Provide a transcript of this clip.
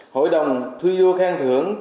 hội đồng thư du khang thưởng